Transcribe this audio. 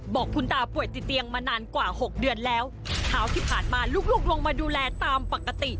บอกคุณตาป่วยติดเตียงมานานกว่าหกเดือนแล้วเช้าที่ผ่านมาลูกลูกลงมาดูแลตามปกติ